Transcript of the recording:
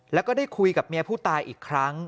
แล้วก็ได้คุยกับเมียผู้ตายอีกครั้ง